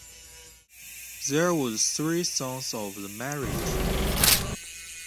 There were three sons of the marriage.